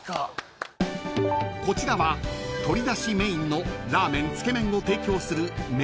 ［こちらは鶏だしメインのラーメンつけ麺を提供する］